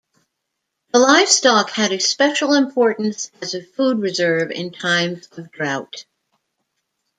The lifestock had a special importance as a food reserve in times of drought.